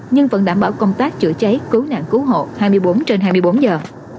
nhưng vẫn đảm bảo công tác chữa cháy cứu nạn cứu hộ hai mươi bốn trên hai mươi bốn giờ